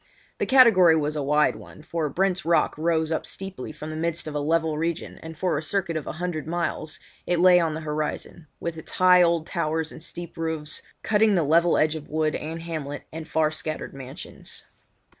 The category was a wide one, for Brent's Rock rose up steeply from the midst of a level region and for a circuit of a hundred miles it lay on the horizon, with its high old towers and steep roofs cutting the level edge of wood and hamlet, and far scattered mansions.